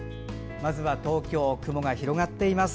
まずは東京、雲が広がっています。